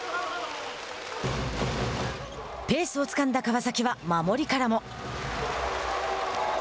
ペースをつかんだ川崎は守りからも。